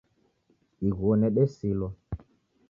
Ighuo nedesilwa